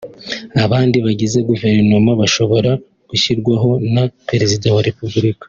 Abandi bagize Guverinoma bashobora gushyirwaho na Perezida wa Repubulika